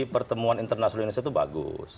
pertemuan internasional indonesia itu bagus